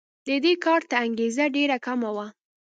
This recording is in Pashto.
د دې کار ته انګېزه ډېره کمه وه.